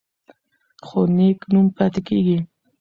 خو نېک نوم پاتې کیږي.